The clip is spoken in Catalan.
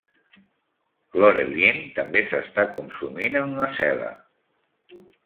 Laureline també s'està consumint en una cel·la.